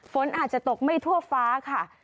ฝนอาจจะตกไม่ทั่วฟ้าค่ะ